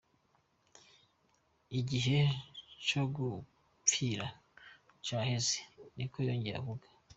"Igihe co gufyina caheze,"niko yongeye avuga.